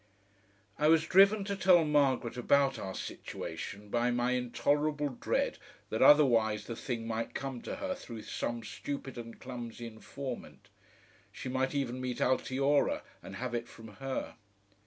4 I was driven to tell Margaret about our situation by my intolerable dread that otherwise the thing might come to her through some stupid and clumsy informant. She might even meet Altiora, and have it from her.